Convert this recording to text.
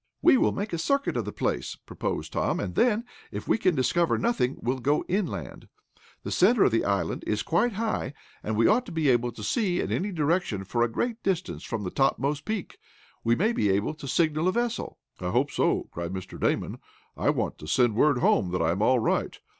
"We will make a circuit of the place," proposed Tom, "and then, if we can discover nothing, we'll go inland. The centre of the island is quite high, and we ought to be able to see in any direction for a great distance from the topmost peak. We may be able to signal a vessel." "I hope so!" cried Mr. Damon. "I want to send word home that I am all right.